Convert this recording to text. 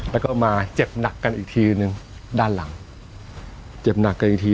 แล้วก็เอามาเจ็บหนักกันอีกทีหนึ่งด้านหลังเจ็บหนักกันอีกที